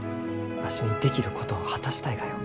わしにできることを果たしたいがよ。